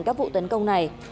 các vụ tấn công này